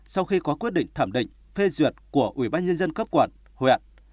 sau khi có quyết định thẩm định phê duyệt của ubnd cấp quận huyện